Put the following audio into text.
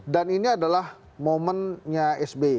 dan ini adalah momennya sbe